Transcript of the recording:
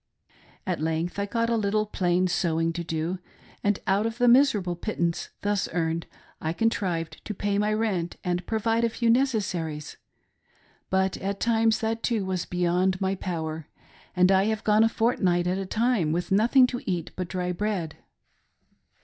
At length I, got a little plain sewing to do, and out of the miserable pittance thus earned I contrived to pay my rent and provide a few necessaries ; but at times that ~too was beyond my power, and I have gone a fortnight at a time with nothing to eat but dry bread.